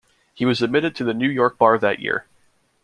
He was admitted to the New York Bar that year.